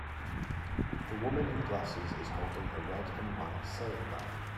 The woman in glasses is holding a red and white sale bag.